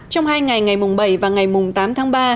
trong hai ngày ngày bảy và ngày tám tháng ba